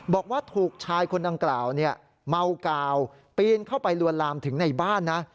บอกว่าถูกชายคนดังกล่าวเมากาวปีนเข้าไปลวนลามถึงในบ้านนะ